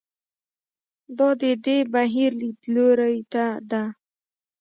دا د دې بهیر لیدلوري ته ده.